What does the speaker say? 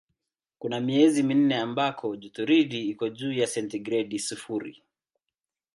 Kuna miezi minne ambako jotoridi iko juu ya sentigredi sifuri.